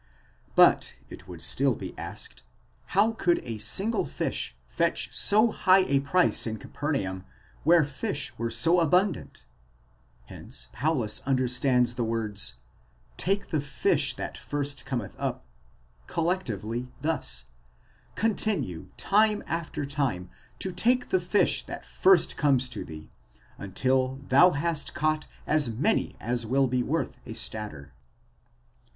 But, it would still be asked, how could a single fish fetch so high a price in Capernaum, where fish were so abundant? Hence Paulus understands the words, τὸν ἀναβάντα πρῶτον ἰχθὺν ἄρον, take up the fish that first cometh up, collectively thus: continue time after time to take the fish that first comes to thee, until thou hast caught as many as will be worth a stater.